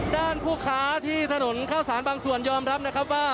ด้านผูกขาที่ถนนเข้าสารบางส่วนยอมรับนะครับว่า